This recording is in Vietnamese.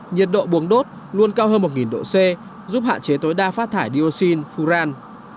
nhiệt độ buồng đốt luôn cao hơn một độ c giúp hạn chế tối đa phát thải dioxin furan